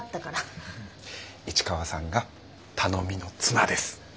市川さんが頼みの綱です。